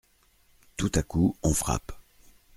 Tout à coup on frappe.